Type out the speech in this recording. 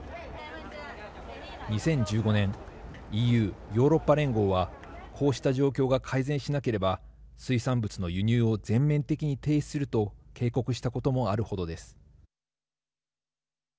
２０１５年ＥＵ＝ヨーロッパ連合はこうした状況が改善しなければ水産物の輸入を全面的に停止すると警告したこともあるほどです。